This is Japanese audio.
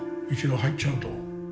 一度入っちゃうと。